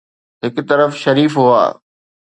هڪ طرف شريف هئا.